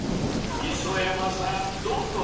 ［磯山さん